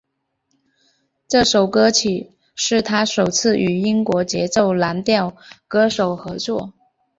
这首歌曲是他首次与英国节奏蓝调歌手合作。